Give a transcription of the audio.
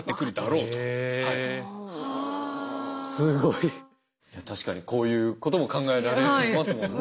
いや確かにこういうことも考えられますもんね。